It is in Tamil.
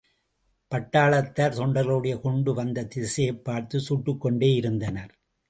பட்டாளத்தார் தொண்டர்களுடைய குண்டு வந்த திசையைப் பார்த்துச் சுட்டுக்கொண்டேயிருந்தனர்.